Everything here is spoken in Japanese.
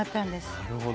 なるほど。